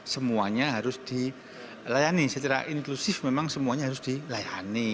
semuanya harus dilayani secara inklusif memang semuanya harus dilayani